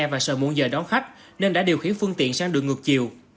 và sợ muộn giờ đón khách nên đã điều khiển phương tiện sang đường ngược chiều